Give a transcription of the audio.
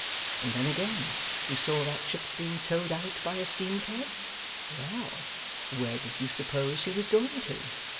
And then again: you saw that ship being towed out by a steam tug? Well! where did you suppose she was going to?